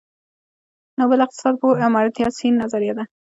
نوبل اقتصادپوه آمارتیا سېن نظريه ده.